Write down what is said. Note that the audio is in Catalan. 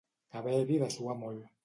Haver-hi de suar molt.